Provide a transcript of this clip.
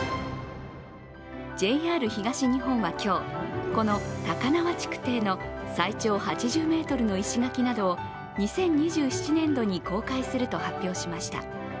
ＪＲ東日本は今日、この高輪築堤の最長８０ｍの石垣などを２０２７年度に公開すると発表しました。